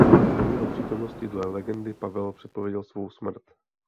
V jeho přítomnosti dle legendy Pavel předpověděl svou smrt.